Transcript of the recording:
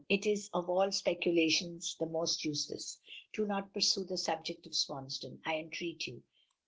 It is of all speculations the most useless. Do not pursue the subject of Swansdown, I entreat you.